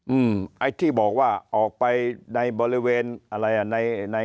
อืมไอ้ที่บอกว่าออกไปในบริเวณอะไรอ่ะในใน